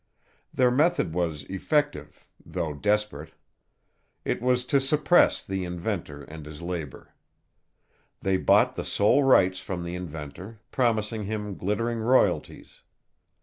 Their method was effective though desperate. It was to suppress the inventor and his labor. They bought the sole rights from the inventor, promising him glittering royalties.